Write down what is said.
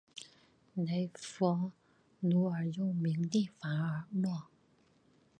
雷佛奴尔又名利凡诺。